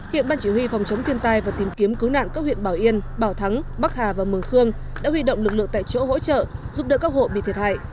hiện ban chỉ huy phòng chống thiên tai và tìm kiếm cứu nạn các huyện bảo yên bảo thắng bắc hà và mường khương đã huy động lực lượng tại chỗ hỗ trợ giúp đỡ các hộ bị thiệt hại